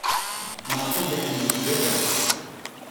Maɛṭub iḥemmel lgerra.